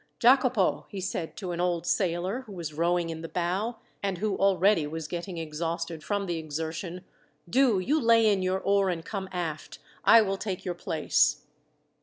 "Jacopo," he said to an old sailor who was rowing in the bow, and who already was getting exhausted from the exertion, "do you lay in your oar and come aft. I will take your place."